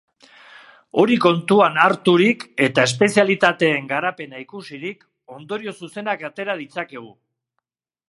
Hori kontuan harturik eta espezialitateen garapena ikusirik, ondorio zuzenak atera ditzakegu.